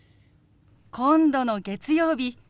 今度の月曜日